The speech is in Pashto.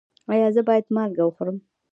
ایا زه باید مالګه وخورم؟